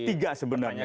jadi tiga sebenarnya